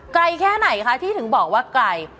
ไกลแค่ไหนค่ะที่ถึงบอกว่ากลัย